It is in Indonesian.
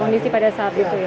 di seberapa saat itu ya